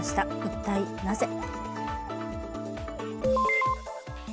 一体なぜ？